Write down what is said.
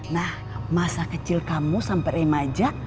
nah masa kecil kamu sampai remaja